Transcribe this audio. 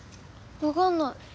わかんない。